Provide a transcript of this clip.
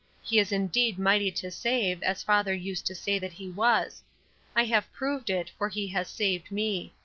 He is indeed mighty to save, as father used to say that he was. I have proved it, for he has saved me.